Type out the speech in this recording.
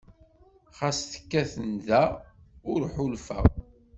Xas tekkat nda, ur ḥulfeɣ.